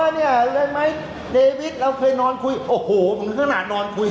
เนี่ยได้ไหมเดวิสเราเคยนอนคุยโอ้โหถึงขนาดนอนคุย